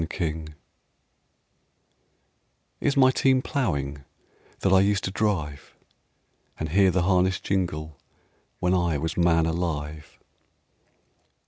XXVII "Is my team ploughing, That I was used to drive And hear the harness jingle When I was man alive?"